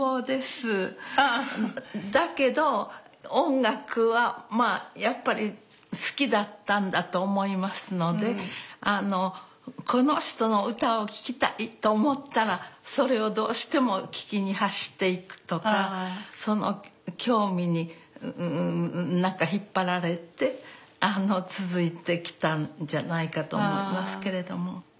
だけど音楽はまあやっぱり好きだったんだと思いますのであのこの人の歌を聴きたいと思ったらそれをどうしても聴きに走っていくとかその興味に引っ張られて続いてきたんじゃないかと思いますけれども。